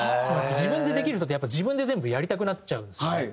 自分でできる人って自分で全部やりたくなっちゃうんですよね。